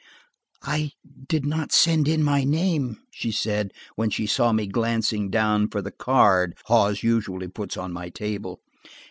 "I did not send in my name," she said, when she saw me glancing down for the card Hawes usually puts on my table.